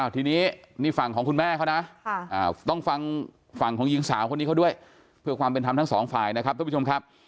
ทีนี้นี่ฝั่งของคุณแม่เขาค่ะต้องฟังฝั่งของหญิงสาวเพื่อความเป็นธรรมทั้งสองฝ่ายนะครับ